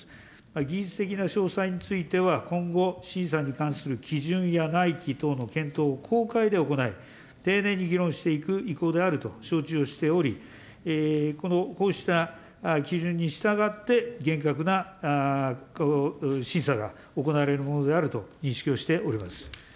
技術的な詳細については、今後、審査に関する基準や内規等の検討を公開で行い、丁寧に議論していく意向であると承知をしており、こうした基準に従って、厳格な審査が行われるものであると認識をしております。